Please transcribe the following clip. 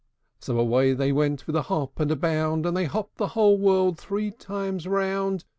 So away they went with a hop and a bound; And they hopped the whole world three times round.